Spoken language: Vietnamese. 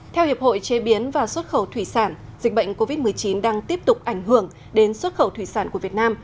theo hiệp hội chế biến và xuất khẩu thủy sản dịch bệnh covid một mươi chín đang tiếp tục ảnh hưởng đến xuất khẩu thủy sản của việt nam